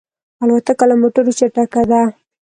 الوتکه له موټرو چټکه ده.